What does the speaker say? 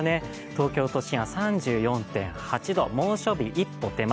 東京都心は３４．８度、猛暑日一歩手前。